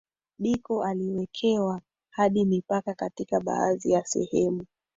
Biko aliwekewa hadi mipaka katika baadhi ya sehemu